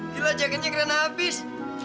gila jaganya keren abis